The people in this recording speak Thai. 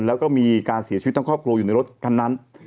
แล้วก็มีการเสียชีวิตทั้งครอบครัวอยู่ในรถคันนั้น